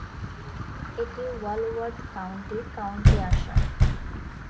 এটি ওয়ালওয়ার্থ কাউন্টির কাউন্টি আসন।